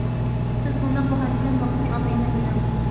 سىز بۇنداق باھانە بىلەن ۋاقىتنى ئالدايمەن دېمەڭ.